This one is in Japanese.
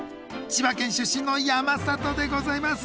千葉県出身の山里でございます。